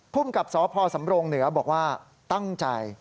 ภูมิกับสพสำรงเหนือบอกว่าตั้งใจ